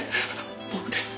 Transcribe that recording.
僕です